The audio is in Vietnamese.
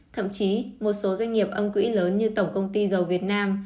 thậm chí một số doanh nghiệp âm quỹ lớn như tổng công ty dầu việt nam